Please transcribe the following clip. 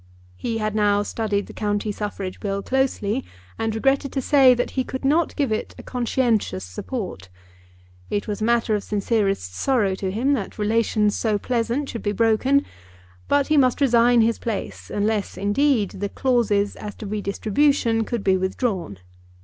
He had now studied the County Suffrage Bill closely, and regretted to say that he could not give it a conscientious support. It was a matter of sincerest sorrow to him that relations so pleasant should be broken, but he must resign his place, unless, indeed, the clauses as to redistribution could be withdrawn.